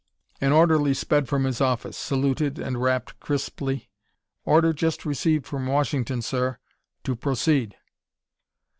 An orderly sped from his office, saluted, and rapped crisply: "Order just received from Washington, sir, to proceed."